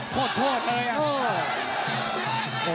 โคตรโคตรโอ้โห